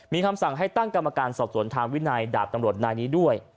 มีคำสั่งให้ตั้งกรรมการสอบสวนทางวินัยดาบตำรวจนายนี้ด้วย